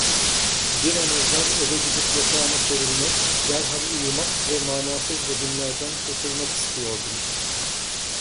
Bir an evvel eve gidip yatağıma serilmek, derhal uyumak ve manasız vehimlerden kurtulmak istiyordum.